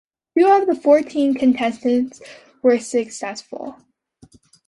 Two of fourteen contestants were successful.